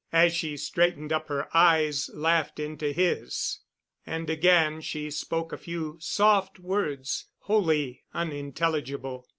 As she straightened up her eyes laughed into his, and again she spoke a few soft words wholly unintelligible.